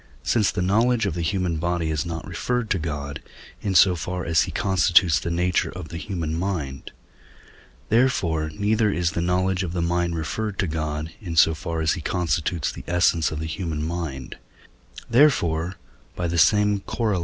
since the knowledge of the human body is not referred to God, in so far as he constitutes the nature of the human mind; therefore, neither is the knowledge of the mind referred to God, in so far as he constitutes the essence of the human mind; therefore (by the same Coroll.